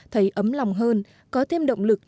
thấy ấm lòng hơn có thêm động lực